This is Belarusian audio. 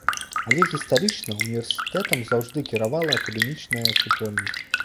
Але гістарычна, універсітэтам заўжды кіравала акадэмічная супольнасць.